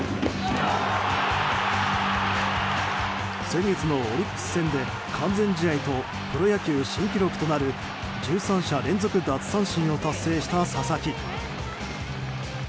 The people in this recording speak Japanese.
先月のオリックス戦で完全試合とプロ野球新記録となる１３者連続奪三振を達成した佐々木。